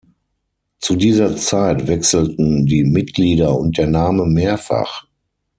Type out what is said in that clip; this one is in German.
Zu dieser Zeit wechselten die Mitglieder und der Name mehrfach.